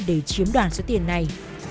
để chiếm đoàn số tiền này